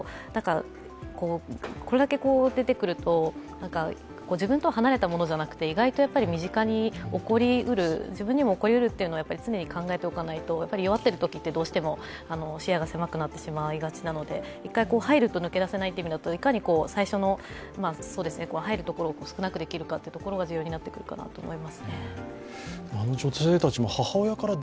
これだけ出てくると、自分とは離れたものではなくて、意外と身近に起こりうる自分にも起こりうるというのは常に考えておかないと、弱っているときってどうしても視野が狭くなってしまいがちなので、入ると抜け出せないという意味だと、いかに最初の入るところを少なくするかが重要になってくるかなと思いますね。